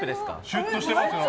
シュッとしてます。